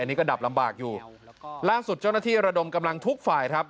อันนี้ก็ดับลำบากอยู่ล่าสุดเจ้าหน้าที่ระดมกำลังทุกฝ่ายครับ